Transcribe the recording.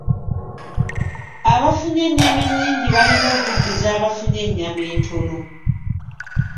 Abafunye ennyama ennyingi balina okuddiza abafunye ennyama entono.